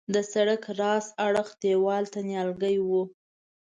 د سړک راست اړخ دیوال ته نیالګي وه.